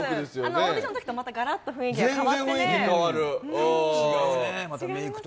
オーディションのときとはまたガラッと雰囲気が変わってね。